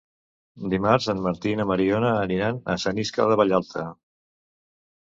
Dimarts en Martí i na Mariona aniran a Sant Iscle de Vallalta.